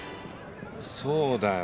そうだよ。